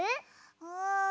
うん。